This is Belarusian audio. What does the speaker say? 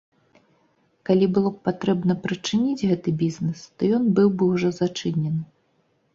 Калі было б патрэбна прычыніць гэты бізнэс, то ён бы ўжо быў зачынены.